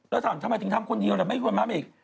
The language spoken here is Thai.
แล้วถามทำไมถึงทำคนเดียวแล้วไม่ควรมาอีก